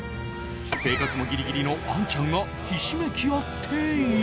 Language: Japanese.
生活もギリギリのアンちゃんがひしめき合っている。